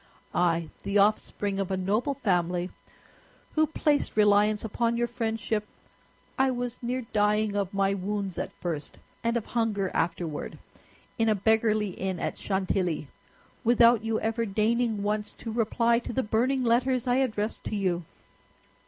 I, the offspring of a noble family, who placed reliance upon your friendship—I was near dying of my wounds at first, and of hunger afterward, in a beggarly inn at Chantilly, without you ever deigning once to reply to the burning letters I addressed to you."